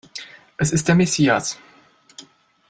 Es ist der Messias!